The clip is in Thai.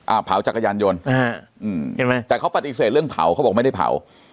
เผาจักรยานยนต์อ่าอืมเห็นไหมแต่เขาปฏิเสธเรื่องเผาเขาบอกไม่ได้เผา